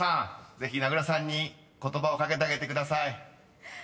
［ぜひ名倉さんに言葉を掛けてあげてください］